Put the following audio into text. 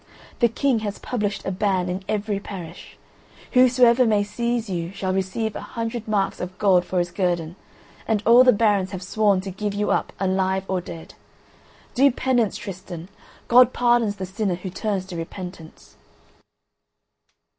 The King has published a ban in every parish: Whosoever may seize you shall receive a hundred marks of gold for his guerdon, and all the barons have sworn to give you up alive or dead. Do penance, Tristan! God pardons the sinner who turns to repentance."